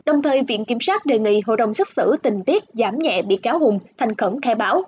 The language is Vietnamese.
đồng thời viện kiểm sát đề nghị hội đồng xét xử tình tiết giảm nhẹ bị cáo hùng thành khẩn khai báo